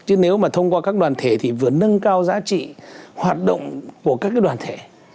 chứ nếu mà thông qua các đoàn thể thì vừa nâng cao giá trị hoạt động của các đoàn thể